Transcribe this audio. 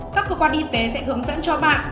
các cơ quan y tế sẽ hướng dẫn cho bạn